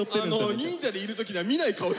忍者のいる時には見ない顔。